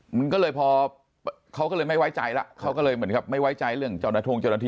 มันก็เลยพอเขาก็เลยไม่ไว้ใจแล้วเขาก็เลยเหมือนกับไม่ไว้ใจเรื่องเจ้าหน้าที่